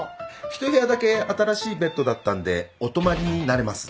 一部屋だけ新しいベッドだったんでお泊まりになれます。